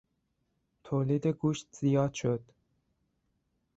تولید گوشت زیاد شد.